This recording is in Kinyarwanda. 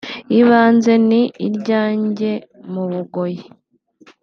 Ibanze ni irya njye mu Bugoyi